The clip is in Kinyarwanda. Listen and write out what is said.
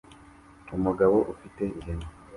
Umugabo ufite ihene